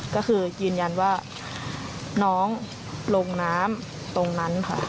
ก็คือยืนยันว่าน้องลงน้ำตรงนั้นค่ะ